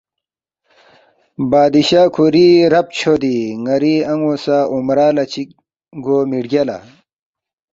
بادشاہ کُھوری رب چھودی ن٘ری ان٘و سہ عمرہ لہ چِک گو مِہ رگیَالا؟